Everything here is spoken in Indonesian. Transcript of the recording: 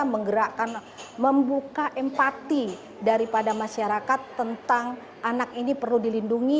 menggerakkan membuka empati daripada masyarakat tentang anak ini perlu dilindungi